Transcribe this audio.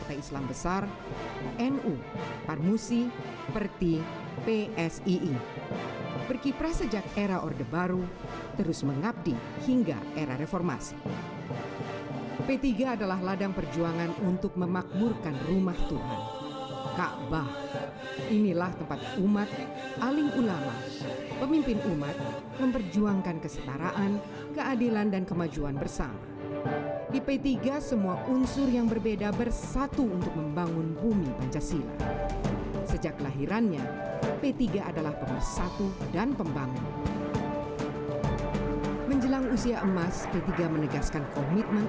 dan mudah mudahan dengan jejak jejak sejarah yang tadi kita belajar atas kebaikan kebaikan atas prestasi yang pernah dilakukan yang kemudian kita rasionalkan dengan metode metode yang bisa beradaptasi dengan kekinian